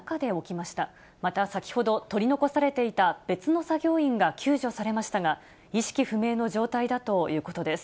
また先ほど、取り残されていた別の作業員が救助されましたが、意識不明の状態だということです。